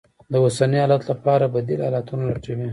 د اوسني حالت لپاره بدي ل حالتونه لټوي.